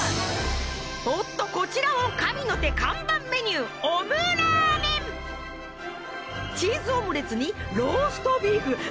おっとこちらも神の手看板メニューチーズオムレツにローストビーフ